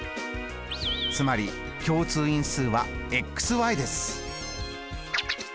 つまり共通因数はです。